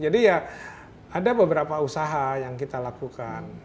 jadi ya ada beberapa usaha yang kita lakukan